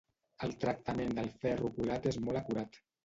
El tractament del ferro colat és molt acurat.